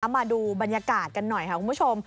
มาดูบรรยากาศกันหน่อยค่ะคุณผู้ชม